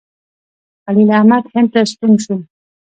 خلیل احمد هند ته ستون شو.